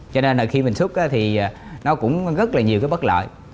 cho nên là khi mình xúc á thì nó cũng rất là nhiều cái bất lợi